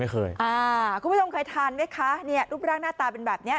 คุณผู้ชมเคยทานไหมคะเนี่ยรูปร่างหน้าตาเป็นแบบนี้